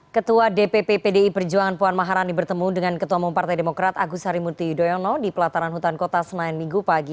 ketua dpp pdi perjuangan puan maharani bertemu dengan ketua umum partai demokrat agus harimurti yudhoyono di pelataran hutan kota senayan minggu pagi